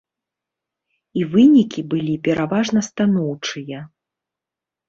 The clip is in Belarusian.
І вынікі былі пераважна станоўчыя.